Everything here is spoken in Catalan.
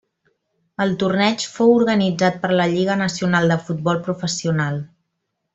El torneig fou organitzat per la Lliga Nacional de Futbol Professional.